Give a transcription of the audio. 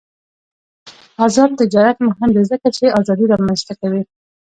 آزاد تجارت مهم دی ځکه چې ازادي رامنځته کوي.